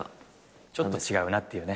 ちょっと違うなっていうね。